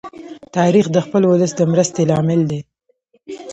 تاریخ د خپل ولس د مرستی لامل دی.